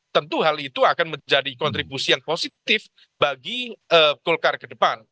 tentu hal itu akan menjadi kontribusi yang positif bagi golkar ke depan